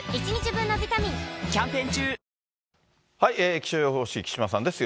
気象予報士、木島さんです。